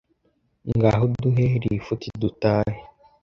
ngaho duhe rifuti dutahe